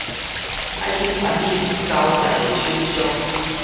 愛緊辦理交接的手續